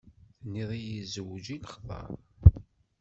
Tenniḍ-iyi zewǧ i lexḍer.